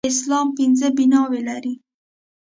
اسلام پنځه بناوې لري.